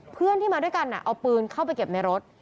เพื่อนที่มาด้วยกันเอาปืนเข้าไปเก็บในรถ